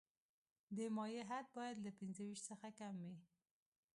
د مایع حد باید له پنځه ویشت څخه کم وي